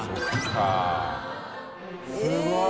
すごい。